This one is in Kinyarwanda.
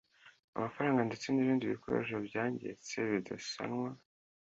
amafarnga ndetse n ibindi bikoresho byangiritse bidasanwa